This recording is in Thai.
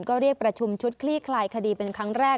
ก็เรียกประชุมชุดคลี่คลายคดีเป็นครั้งแรก